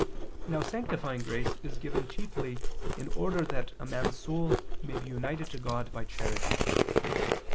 Now sanctifying grace is given chiefly in order that man's soul may be united to God by charity.